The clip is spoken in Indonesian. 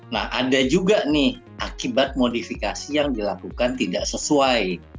nah ada juga nih akibat modifikasi yang dilakukan tidak sesuai